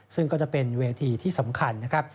ซึ่งก็จะเป็นเวทีที่สำคัญนะครับ